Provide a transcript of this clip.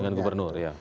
dengan gubernur ya